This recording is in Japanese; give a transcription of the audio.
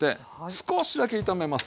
少しだけ炒めますね。